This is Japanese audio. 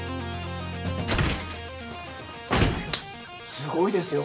すごいですよ。